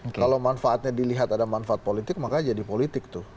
kalau manfaatnya dilihat ada manfaat politik maka jadi politik tuh